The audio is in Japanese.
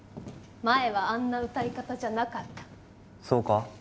前はあんな歌い方じゃなかったそうか？